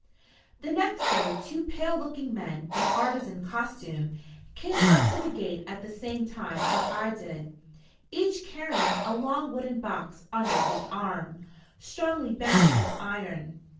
The next day two pale looking men, in artisan costume, came up to the gate at the same time as I did, each carrying a long wooden box under his arm, strongly bound with iron.